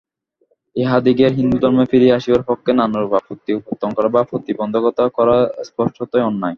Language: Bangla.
ইহাদিগের হিন্দুধর্মে ফিরিয়া আসিবার পক্ষে নানারূপ আপত্তি উত্থাপন করা বা প্রতিবন্ধকতা করা স্পষ্টতই অন্যায়।